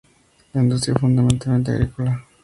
La industria es fundamentalmente agrícola.